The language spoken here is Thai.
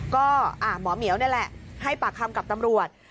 ก็หมอเหมียวนี่แหละให้ปากคำกับตำรวจ